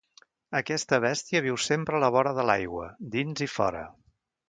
Aquesta bèstia viu sempre a la vora de l'aigua, dins i fora.